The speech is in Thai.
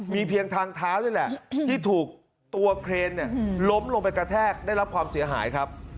มีเพียงทางเท้านี่แหละที่ถูกตัวเครนล้มลงไปกระแทกได้รับความเสียหายครับ